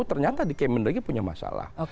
ternyata di kemen dagri punya masalah